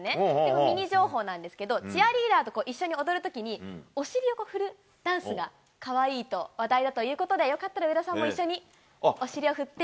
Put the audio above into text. これ、ミニ情報なんですけども、チアリーダーと一緒に踊るときに、お尻を振るダンスがかわいいと話題だということで、よかったら上田さんも一緒に、お尻を振って。